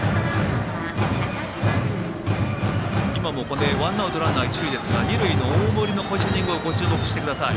今もワンアウトランナー、一塁ですが二塁の大森のポジショニング注目してください。